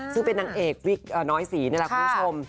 ซึ่งเป็นนางเอกวิกน้อยศีระคุณผู้ชม